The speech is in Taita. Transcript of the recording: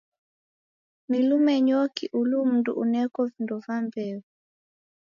Ni lumenyoki ulu mundu uneko vindo va mbeo?